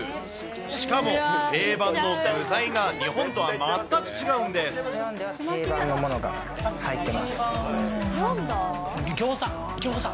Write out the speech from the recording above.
しかも、定番の具材が日本とは全台湾では定番の具材が入ってギョーザ、ギョーザ。